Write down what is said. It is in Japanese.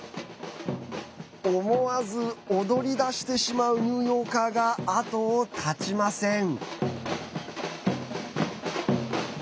思わず踊りだしてしまうニューヨーカーが後を絶ちません。